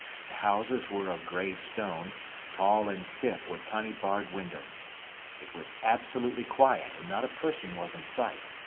The houses were of gray stone, tall and stiff with tiny barred windows. It was absolutely quiet, and not a person was in sight.